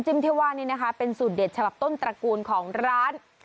ที่ว่านี้นะคะเป็นสูตรเด็ดฉบับต้นตระกูลของร้าน